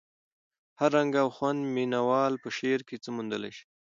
هر رنګ او خوند مینه وال په شعر کې څه موندلی شي.